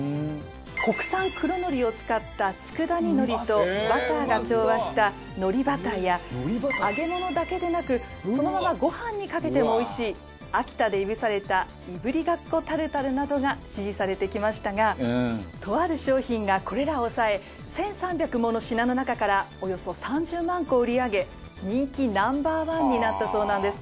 国産黒海苔を使った佃煮海苔とバターが調和した海苔バターや揚げ物だけでなくそのままご飯にかけてもおいしい秋田で燻されたいぶりがっこタルタルなどが支持されてきましたがとある商品がこれらを抑え１３００もの品の中からおよそ３０万個売り上げ人気Ｎｏ．１になったそうなんです。